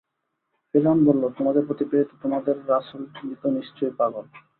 ফিরআউন বলল, তোমাদের প্রতি প্রেরিত তোমাদের রাসূলটি তো নিশ্চয়ই পাগল।